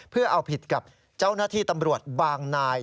เพื่อเอาผิดกับเจ้าหน้าที่ตำรวจบางนาย